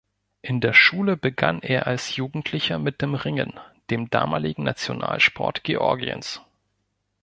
In der Schule begann er als Jugendlicher mit dem Ringen, dem damaligen Nationalsport Georgiens.